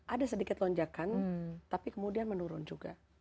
ada sedikit lonjakan tapi kemudian menurun juga